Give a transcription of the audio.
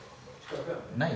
・ない？